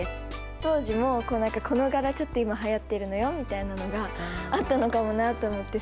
当時もこの柄ちょっと今はやってるのよみたいなのがあったのかもなって思ってすごい楽しそうだなって。